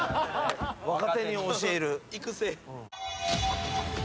若手に教える。育成。